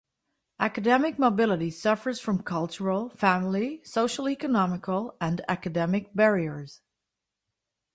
Academic mobility suffers from cultural, family, socio-economical, and academic barriers.